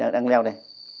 đang leo đây